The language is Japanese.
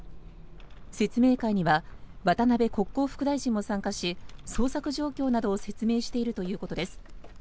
説明会には渡辺国交副大臣も参加し捜索状況などを説明しているということです。